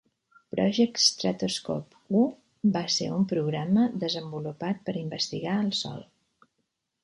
Project Stratoscope I va ser un programa desenvolupat per investigar el Sol.